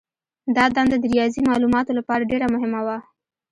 دا دنده د ریاضي مالوماتو لپاره ډېره مهمه وه.